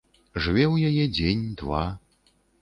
Жыве ў яе дзень, два.